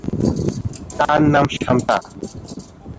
তাঁর নাম শান্তা।